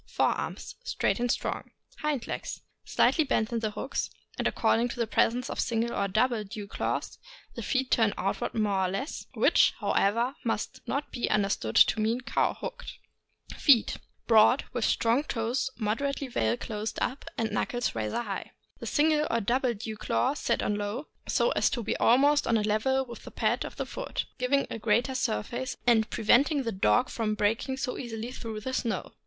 Fore arms. — Straight and strong. Hind legs. — Slightly bent in the hocks, and, according to the presence of single or double dew claws, the feet turn outward more or less, which, however, must not be under stood to mean cow hocked. Feet.— Broad, with strong toes, moderately well closed 558 THE AMEEICAN BOOK OF THE DOG. up, and knuckles rather high. The single or double dew claws set on low, so as to be almost on a level with the pad of the foot, giving a greater surface, and preventing the dog from breaking so easily through the snow.